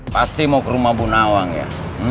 pasti mau ke rumah bu nawang ya